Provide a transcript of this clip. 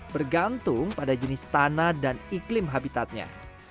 bergantung pada jenis tanah dan iklim habitatnya